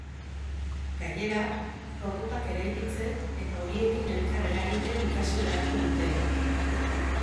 Gainera, robotak eraikitzen eta horiekin elkar eragiten ikasi beharko dute.